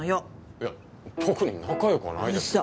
いや特に仲良くはないですよ。